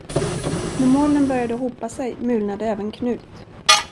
När molnen började hopa sig mulnade även Knut.